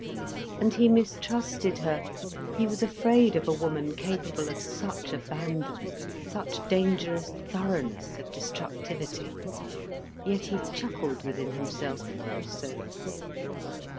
And he mistrusted her, he was afraid of a woman capable of such abandon, such dangerous thoroughness of destructivity. Yet he chuckled within himself also.